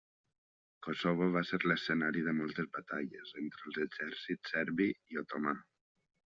Kosovo va ser l'escenari de moltes batalles entre els exèrcits serbi i otomà.